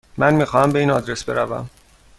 من میخواهم به این آدرس بروم.